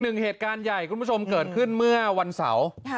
หนึ่งเหตุการณ์ใหญ่คุณผู้ชมเกิดขึ้นเมื่อวันเสาร์